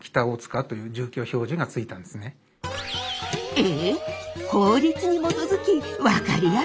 ええ？